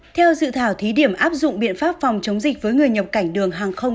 theo dự thảo thí điểm áp dụng biện pháp phòng chống dịch với người nhập cảnh đường hàng không